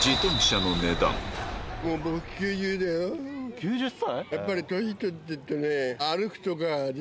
９０歳！